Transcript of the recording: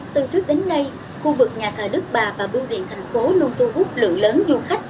từ trước đến nay khu vực nhà thờ đức bà và bưu điện thành phố luôn thu hút lượng lớn du khách